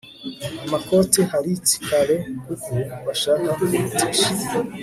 amakote hariti kare kuko bashaka kwihutisha